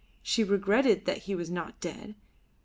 She regretted that he was not dead.